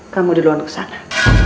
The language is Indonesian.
kamu duluan kesana